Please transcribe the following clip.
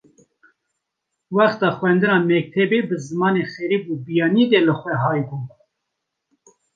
Wexta xwendina mektebê bi zimanê xerîb û biyaniyê de li xwe haybûm.